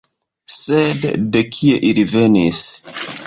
Sed de kie ili venis?